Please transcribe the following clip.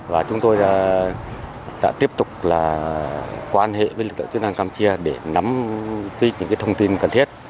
và chúng tôi đã tiếp tục là quan hệ với lực lượng chức năng campuchia để nắm giữ những thông tin cần thiết